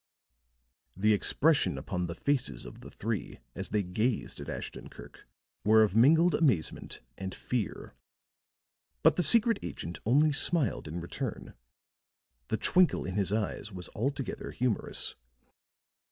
The expression upon the faces of the three as they gazed at Ashton Kirk were of mingled amazement and fear. But the secret agent only smiled in return; the twinkle in his eyes was altogether humorous.